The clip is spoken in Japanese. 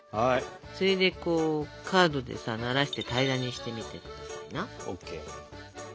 それでカードでさならして平らにしてみてくださいな。